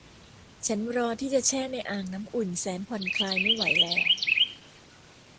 ฉันรอที่จะแช่ในอ่างน้ำอุ่นแสนผ่อนคลายไม่ไหวแล้ว